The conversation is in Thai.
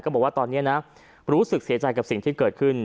บอกว่าตอนนี้นะรู้สึกเสียใจกับสิ่งที่เกิดขึ้น